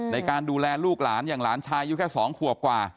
ในการดูแลลูกหลานอย่างหลานชายอยู่แค่๒ขวบกว่า